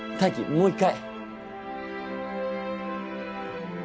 もう１回。